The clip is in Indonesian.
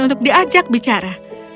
untuk diajak bicara